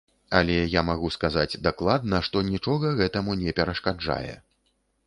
Але я магу сказаць дакладна, што нічога гэтаму не перашкаджае.